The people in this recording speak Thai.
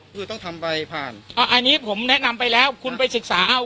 คือต้องทำใบผ่านอันนี้ผมแนะนำไปแล้วคุณไปศึกษาเอา